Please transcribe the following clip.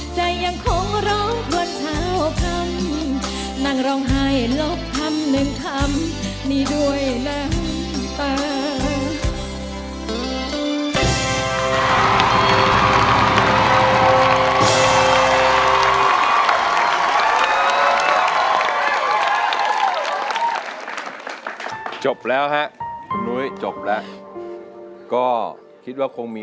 ใจยังคงร้องกว่าเท่าคำ